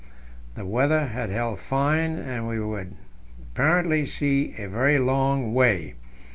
The weather had held fine, and we could apparently see a very long way.